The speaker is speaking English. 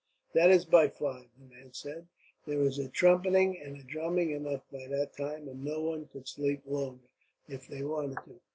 "That is by five," the man said. "There is trumpeting and drumming enough by that time, and no one could sleep longer if they wanted to."